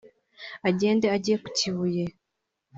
agende ajye ku Kibuye